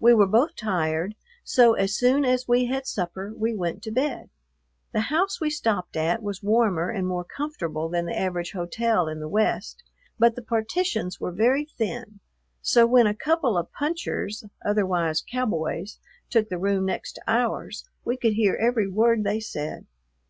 We were both tired, so as soon as we had supper we went to bed. The house we stopped at was warmer and more comfortable than the average hotel in the West, but the partitions were very thin, so when a couple of "punchers," otherwise cowboys, took the room next to ours, we could hear every word they said.